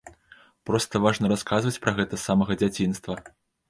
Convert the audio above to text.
Проста важна расказваць пра гэта з самага дзяцінства.